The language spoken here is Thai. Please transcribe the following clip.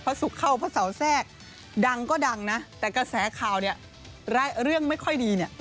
ศุกร์เข้าพระเสาแทรกดังก็ดังนะแต่กระแสข่าวเนี่ยเรื่องไม่ค่อยดีเนี่ย